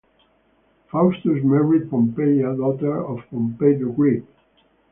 Faustus married Pompeia, daughter of Pompey the Great.